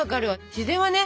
自然はね